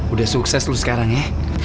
udah sukses loh sekarang ya